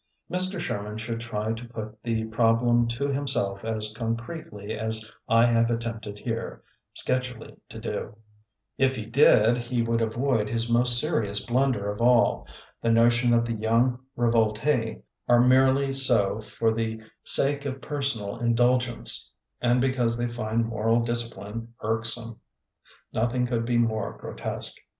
Mr. Sherman should try to put the problem to himself as concretely as I have attempted h^e sketchily to do» 48 THB BOOKMAN If he did, possibly he would avoid his most serious blunder of all — ^the no tion that the young rivolUs are merely so for the sake of personal in dulgence, and because they find moral discipline irksome. Nothing could be more grotesque.